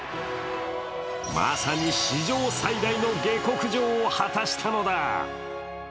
まさに史上最大の下克上を果たしたのだ。